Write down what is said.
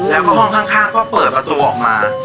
แล้วก็ห้องข้างก็เปิดประตูออกมา